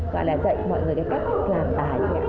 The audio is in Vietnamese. gọi là dạy mọi người cách làm bài